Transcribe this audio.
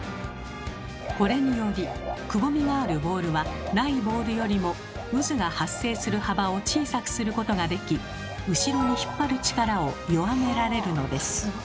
これによりくぼみがあるボールはないボールよりも渦が発生する幅を小さくすることができ後ろに引っ張る力を弱められるのです。